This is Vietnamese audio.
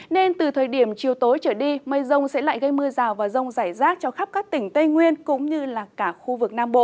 nên từ thời điểm chiều tối trở đi mây rông sẽ lại gây mưa rào và rông rải rác cho khắp các tỉnh tây nguyên cũng như là cả khu vực nam bộ